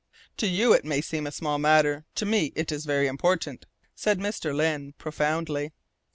"To you it may seem a small matter. To me, it is very important," said Mr. Lyne profoundly.